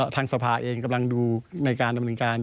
ทางสภาเองกำลังดูในการดำเนินการ